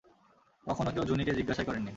কখনও কেউ জুনি কে জিজ্ঞাসাই করে নি।